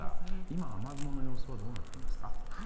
今、雨雲はどうなっていますか。